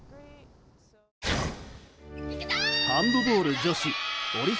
ハンドボール女子織姫